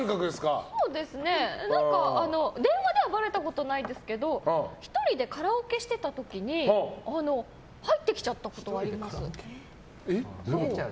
電話ではばれたことないですけど１人でカラオケしてた時に入ってきちゃったことはあります。